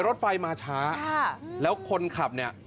รถไฟมาช้าแล้วคนขับเนี่ย